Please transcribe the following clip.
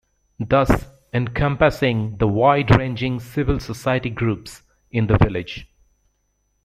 Thus encompassing the wide-ranging Civil Society groups in the village.